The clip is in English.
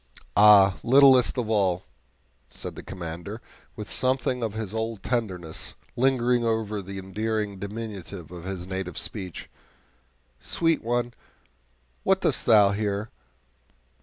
"Ah, littlest of all," said the Commander, with something of his old tenderness, lingering over the endearing diminutives of his native speech "sweet one, what doest thou here?